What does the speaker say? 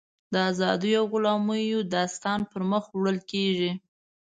د ازادیو او غلامیو داستان پر مخ وړل کېږي.